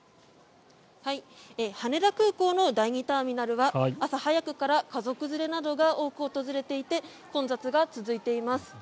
羽田空港の第２ターミナルは朝早くから家族連れなどが多く訪れていて混雑が続いています。